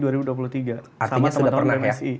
artinya sudah pernah ya